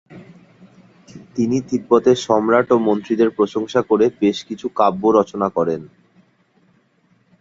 তিনি তিব্বতের সম্রাট ও মন্ত্রীদের প্রশংসা করে বেশ কিছু কাব্য রচনা করেন।